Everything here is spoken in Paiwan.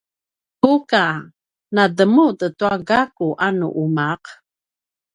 buka: na djemet tua gakku a nu umaq?